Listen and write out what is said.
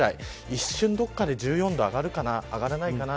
一瞬、どこかで１４度に上がるかな、上がらないかな。